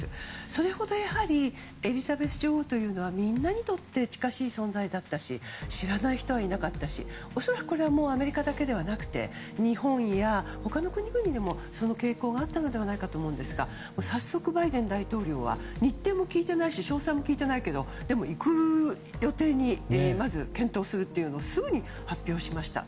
それほどやはりエリザベス女王というのはみんなにとって近しい存在だったし知らない人はいなかったし恐らくこれはアメリカだけではなくて日本や他の国々でもその傾向があったのではと思いますが早速、バイデン大統領は日程も聞いてないし詳細も聞いてないけど行く予定に検討するというのをすぐに発表しました。